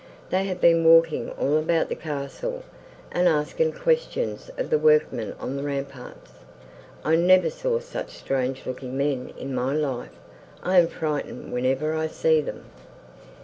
They have been walking all about the castle, and asking questions of the workmen on the ramparts. I never saw such strange looking men in my life; I am frightened whenever I see them."